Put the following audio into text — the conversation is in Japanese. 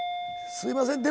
すいません。